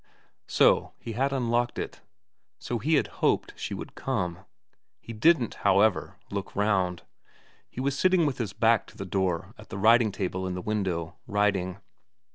So he had unlocked it. So he had hoped she would come. He didn't, however, look round. He was sitting with his back to the door at the writing table in the window, writing.